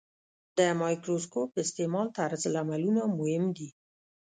د مایکروسکوپ د استعمال طرزالعملونه مهم دي.